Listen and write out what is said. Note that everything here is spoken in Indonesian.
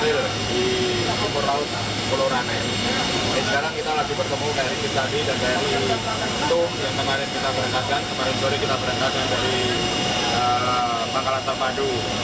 dan sekarang kita lagi bertemu tni tni dan tni tung yang kemarin kita berangkatkan